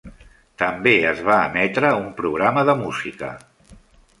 També es va emetre un programa de música.